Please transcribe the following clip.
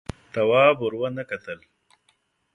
تواب ور ونه کتل.